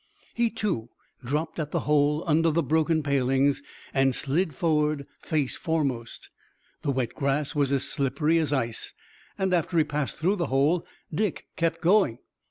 He, too, dropped at the hole under the broken palings and slid forward face foremost. The wet grass was as slippery as ice, and after he passed through the hole Dick kept going.